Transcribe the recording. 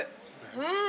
うん。